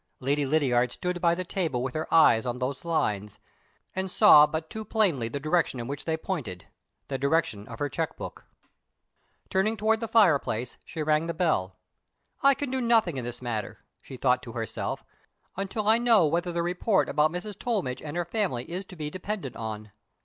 Lady Lydiard stood by the table with her eyes on those lines, and saw but too plainly the direction in which they pointed the direction of her check book. Turning towards the fireplace, she rang the bell. "I can do nothing in this matter," she thought to herself, "until I know whether the report about Mrs. Tollmidge and her family is to be depended on.